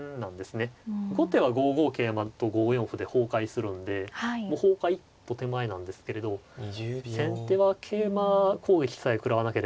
後手は５五桂馬と５四歩で崩壊するんでもう崩壊一歩手前なんですけれど先手は桂馬攻撃さえ食らわなければ。